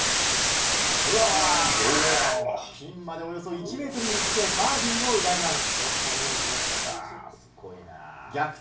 ピンまでおよそ１ｍにつけバーディーを奪います。